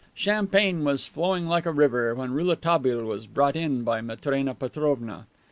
Champagne was flowing like a river when Rouletabille was brought in by Matrena Petrovna.